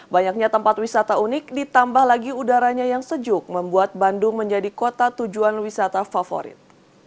banyaknya tempat wisata unik ditambah lagi udaranya yang sejuk membuat bandung menjadi kota tujuan wisata favorit